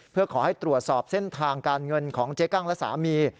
เพื่อขอให้ตรวจสอบเส้นทางการเงินของเจ๊กั้งและสามี